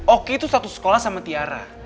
oki tuh satu sekolah sama tiara